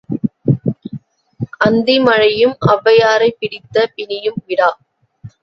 அந்தி மழையும் ஒளவையாரைப் பிடித்த பிணியும் விடா.